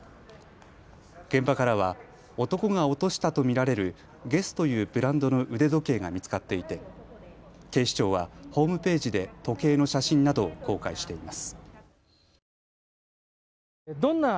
現場からは男が落としたと見られるＧＵＥＳＳというブランドの腕時計が見つかっていて警視庁はホームページで時計の写真などを公開しています。